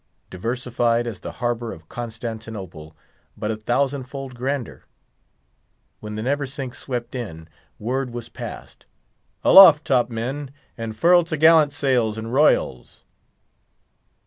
Diversified as the harbour of Constantinople, but a thousand fold grander. When the Neversink swept in, word was passed, "Aloft, top men! and furl t' gallant sails and royals!"